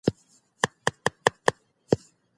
سرمايوي اجناسو له اوږدې مودې بشري ځواک فعال ساتلی و.